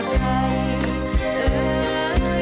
เสียงรัก